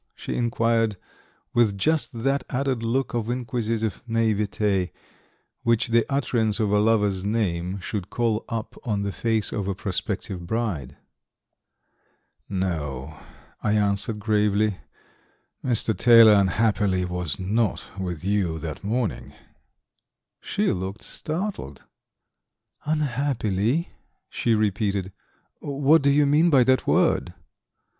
she inquired, with just that added look of exquisite naïveté which the utterance of a lover's name should call up on the face of a prospective bride. "No," I answered gravely, "Mr. Taylor, unhappily, was not with you that morning." She looked startled. "Unhappily," she repeated. "What do you mean by that word?"